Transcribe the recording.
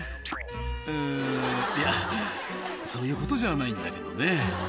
「うんいやそういうことじゃないんだけどね」